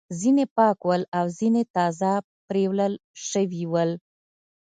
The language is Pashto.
ځینې پاک ول او ځینې تازه پریولل شوي ول.